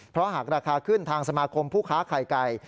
เพราะหากราคาขึ้นทางสมาคมผู้ค้าไข่ไก่